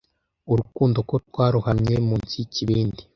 urukundo ko twarohamye munsi yikibindi